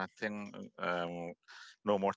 saya rasa kita sudah